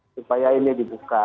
supaya ini dibuka